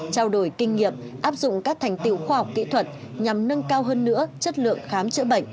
trao đổi kinh nghiệm áp dụng các thành tiệu khoa học kỹ thuật nhằm nâng cao hơn nữa chất lượng khám chữa bệnh